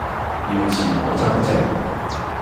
要自我增值